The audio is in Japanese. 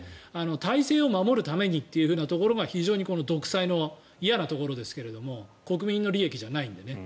体制を守るためにというところが非常に独裁の嫌なところですが国民の利益じゃないのでね。